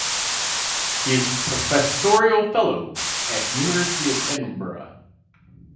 He is professorial fellow at University of Edinburgh.